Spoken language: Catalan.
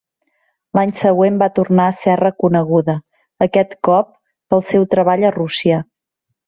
L'any següent va tornar a ser reconeguda, aquest cop pel seu treball a Rússia.